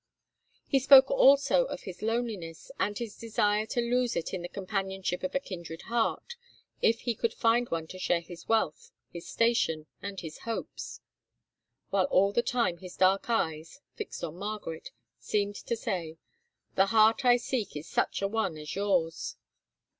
He spoke also of his loneliness, and his desire to lose it in the companionship of a kindred heart, if he could find one to share his wealth, his station, and his hopes; while all the time his dark eyes, fixed on Margaret, seemed to say, "The heart I seek is such a one as yours."